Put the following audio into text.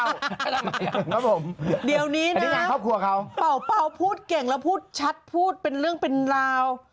ทำไมล่ะเดี๋ยวนี้นะป่าวพูดเก่งแล้วพูดชัดพูดเป็นเรื่องเป็นราว